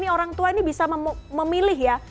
orang tua ini bisa memilih ya